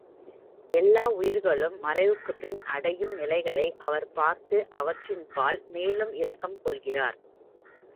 எல்லாவுயிர்களும் மறைவுக்குப்பின் அடையும் நிலைகளை அவர் பார்த்து அவற்றின்பால் மேலும் இரக்கம் கொள்கிறார்.